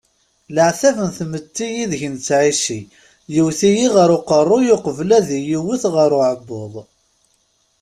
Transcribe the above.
Leɛtab n tmetti ideg nettɛici yewwet-iyi ɣer uqerruy uqbel ad iyi-iwet ɣer uɛebbuḍ.